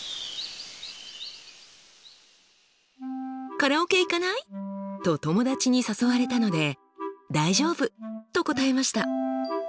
「カラオケ行かない？」と友達に誘われたので「大丈夫」と答えました。